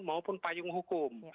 maupun payung hukum